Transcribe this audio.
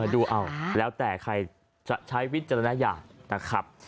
ดูเอาแล้วแต่ใครจะใช้วิจารณญาณนะครับ